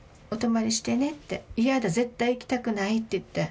「嫌だ絶対行きたくない」って言って。